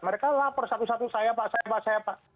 mereka lapor satu satu saya pak siapa saya pak